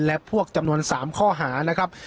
และพวกจำนวน๓ข้อหานะครับ